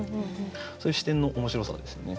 そういう視点の面白さですよね。